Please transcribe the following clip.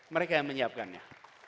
mereka yang menyiapkannya